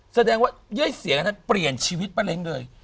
แสดงว่าเย้ยเสียกันเปลี่ยนชีวิตปะเร็งเลย